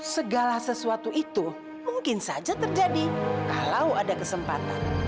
segala sesuatu itu mungkin saja terjadi kalau ada kesempatan